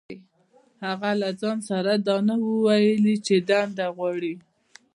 هغه له ځان سره دا نه وو ويلي چې دنده غواړي.